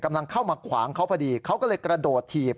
กำลังเข้ามาขวางเขาพอดีเขาก็เลยกระโดดถีบ